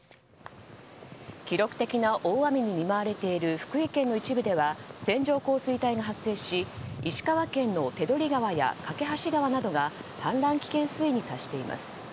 記録的な大雨に見舞われている福井県の一部では線状降水帯が発生し石川県の手取川や梯川などが氾濫危険水位に達しています。